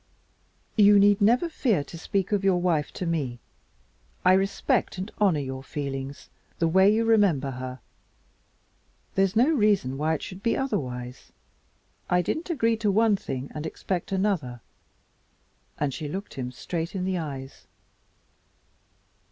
"You need never fear to speak of your wife to me. I respect and honor your feelings the way you remember her. There's no reason why it should be otherwise. I did not agree to one thing and expect another," and she looked him straight in the eyes.